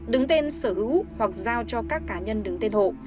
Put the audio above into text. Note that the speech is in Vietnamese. đứng tên sở hữu hoặc giao cho các cá nhân đứng tên hộ